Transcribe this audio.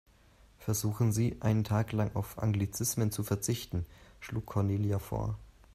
Versuchen Sie, einen Tag lang auf Anglizismen zu verzichten, schlug Cornelia vor.